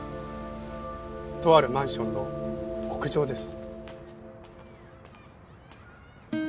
とあるマンションの屋上です。